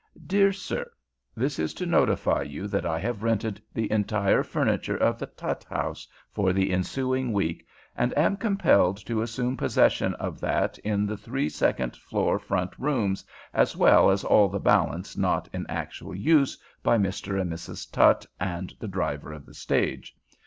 DEAR SIR: This is to notify you that I have rented the entire furniture of the Tutt House for the ensuing week, and am compelled to assume possession of that in the three second floor front rooms, as well as all the balance not in actual use by Mr. and Mrs. Tutt and the driver of the stage.